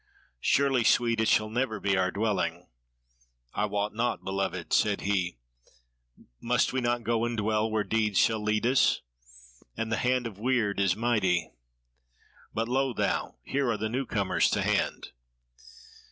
Surely, sweet, it shall never be our dwelling?" "I wot not, beloved," said he; "must we not go and dwell where deeds shall lead us? and the hand of Weird is mighty. But lo thou, here are the newcomers to hand!"